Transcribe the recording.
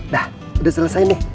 dah udah selesai nih